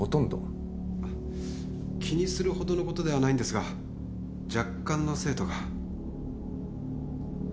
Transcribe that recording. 気にするほどのことではないんですが若干の生徒が。